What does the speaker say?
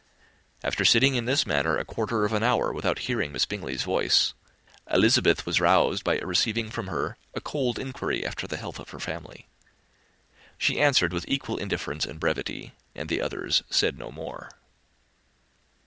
After sitting in this manner a quarter of an hour, without hearing Miss Bingley's voice, Elizabeth was roused by receiving from her a cold inquiry after the health of her family. She answered with equal indifference and brevity, and the other said no more.